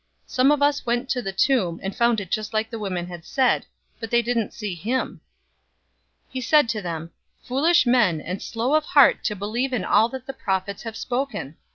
024:024 Some of us went to the tomb, and found it just like the women had said, but they didn't see him." 024:025 He said to them, "Foolish men, and slow of heart to believe in all that the prophets have spoken!